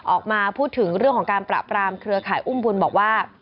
ออกมาพูดถึงเรื่องของการปราบรามเครือข่ายอุ้มบุญบอกว่า